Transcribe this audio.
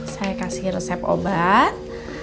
saya kasih resep obat